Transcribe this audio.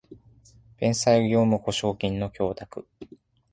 弁済業務保証金の供託